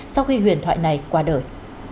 sau khi huyền thoại này qua đời